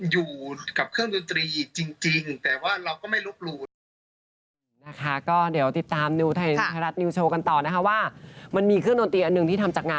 อยู่กับเครื่องดนตรีจริง